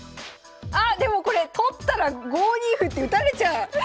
あっでもこれ取ったら５二歩って打たれちゃう！